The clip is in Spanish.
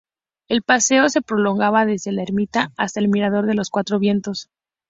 El paseo se prolongaba desde la ermita hasta el Mirador de los Cuatro Vientos.